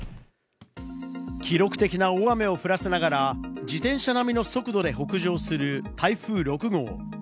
記録的な大雨を降らせながら自転車並みの速度で北上する台風６号。